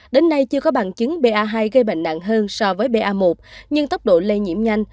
đến nay chưa có bằng chứng ba hai gây bệnh nặng hơn so với ba một nhưng tốc độ lây nhiễm nhanh